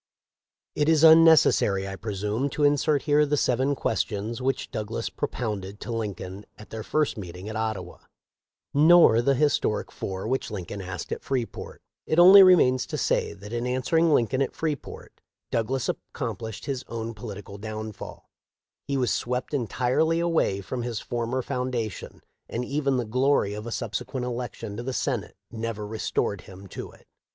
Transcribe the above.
It is unnecessary, I presume, to insert here the seven questions which Douglas propounded to Lin coln at their first meeting at Ottawa, nor the his toric four which Lincoln asked at Freeport. It only remains to say that in answering Lincoln at THE LIFE OF LINCOLN. 4\\ Freeport, Douglas accomplished his own political downfall. He was swept entirely away from his former foundation, and even the glory of a subse quent election to the Senate never restored him to it.